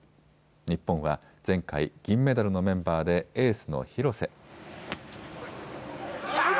日本は前回、金メダルのメンバーでエースの廣瀬。